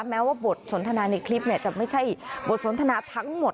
แม้ว่าบทสนทนาในคลิปจะไม่ใช่บทสนทนาทั้งหมด